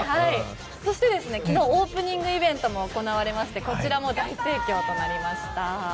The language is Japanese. そして、昨日オープニングイベントが行われてこちらも大盛況となりました。